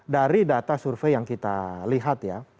dari data survei yang kita lihat ya